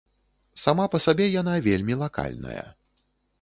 Сама па сабе яна вельмі лакальная.